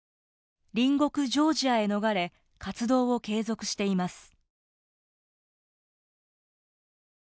隣国ジョージアへ逃れ活動を継続しています。